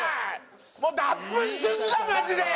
もう脱糞すんぞマジで！